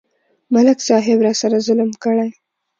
ملک صاحب راسره ظلم کړی.